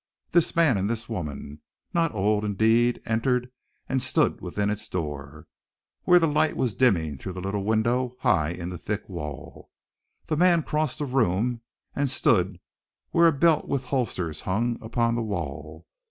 This man and this woman, not old, indeed, entered and stood within its door, where the light was dimming through the little window high in the thick wall. The man crossed the room, and stood where a belt with holsters hung upon the wall.